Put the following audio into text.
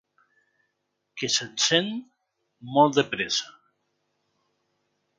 Que s'encén molt de pressa.